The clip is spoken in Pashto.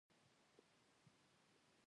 علت یې دا دی چې هغوی د ټولنې لپاره تولید کوي